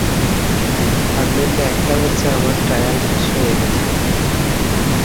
তার মধ্যে একটা হচ্ছে, আমার ট্রায়াল শেষ হয়ে গেছে।